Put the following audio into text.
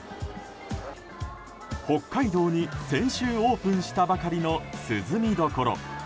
北海道に先週オープンしたばかりの涼味処。